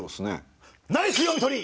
ナイス読み取り！